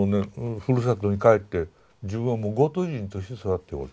ふるさとに帰って自分はもうゴート人として育っておると。